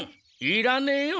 いらねえよ